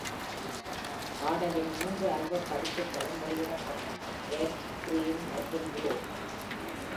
பாடலின் மூன்று ஆல்பப் பதிப்புகளும் வெளியிடப்பட்டன: Red, Green மற்றும் Blue.